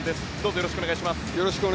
よろしくお願いします。